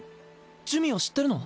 珠魅を知ってるの？